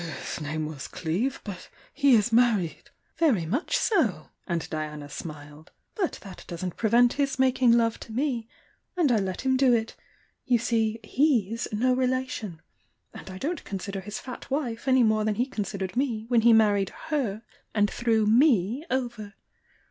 "His name was Cleeve. But he b married " "Very much so!" and Diana smiled. "But that doesn't prevent his making love to me — and I let him do it! You see, he's no relation!— and I don't consider his fat wife any more than he considered me when he married her and threw me over!